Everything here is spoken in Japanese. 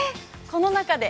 この中で。